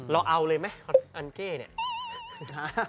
เราเอาเลยไหมอันเก้เนี่ย